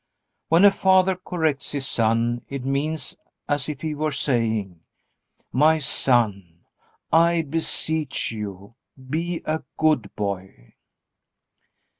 When a father corrects his son it means as if he were saying, "My son, I beseech you, be a good boy."